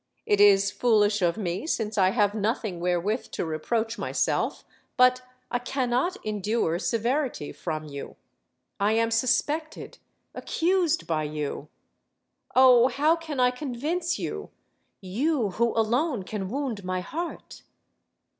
It is foolish of me; since I have nothing wherewith to reproach myself. But I cannot endure severity from you. I am sus pected, accused by you. Oh, how can I convince you you who alone can wound my heart?